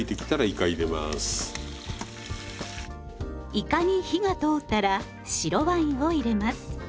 いかに火が通ったら白ワインを入れます。